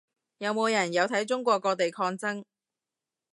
有冇人有睇中國各地抗爭